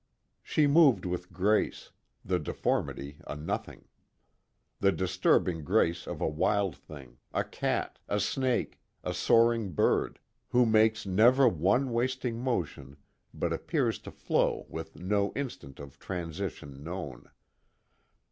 She moved with grace, the deformity a nothing; the disturbing grace of a wild thing a cat, a snake, a soaring bird, who makes never one waste motion but appears to flow with no instant of transition known.